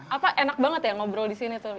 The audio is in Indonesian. apa enak banget ya ngobrol di sini tuh